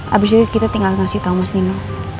abis itu kita tinggal kasih tau mas nino